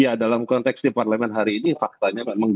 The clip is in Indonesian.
ya dalam konteks di parlemen hari ini faktanya memang